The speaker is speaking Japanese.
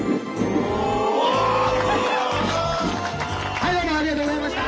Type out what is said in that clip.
はいどうもありがとうございました！